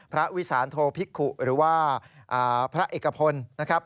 พระวิสาณธโภภิกษุหรือว่าพระเอกพลนะครับ